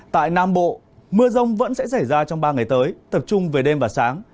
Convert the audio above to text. tại nam bộ mưa rông vẫn sẽ xảy ra trong ba ngày tới tập trung về đêm và sáng